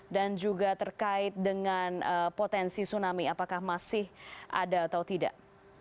dan juga terkait dengan potensi tsunami apakah masih ada atau tidak